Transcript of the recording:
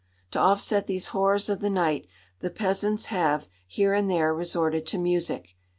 To offset these horrors of the night the peasants have, here and there, resorted to music.